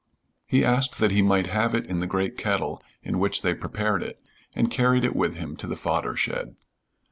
He asked that he might have it in the great kettle in which they prepared it, and carried it with him to the fodder shed.